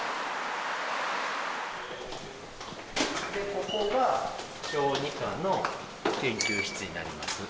ここが小児科の研究室になります。